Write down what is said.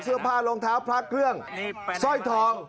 เสื้อผ้ารองเท้าพลักเครื่องสร้อยทอง